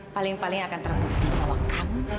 paling paling akan terbukti bahwa kamu